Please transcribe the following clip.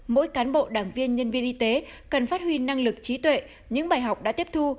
mỗi cán bộ đảng viên nhân viên y tế cần phát huy năng lực trí tuệ những bài học đã tiếp thu